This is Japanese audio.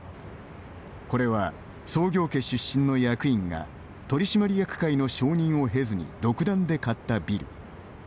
これは、創業家出身の役員が取締役会の承認を経ずに独断で買ったビル。